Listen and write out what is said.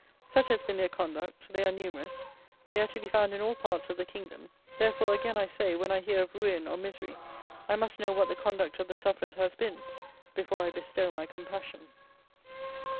Such has been their conduct; they are numerous: they are to be found in all parts of the kingdom: therefore again I say, when I hear of "ruin" or "misery," I must know what the conduct of the sufferers has been before I bestow my compassion.